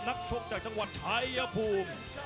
นักชกจากจังหวัดชายภูมิ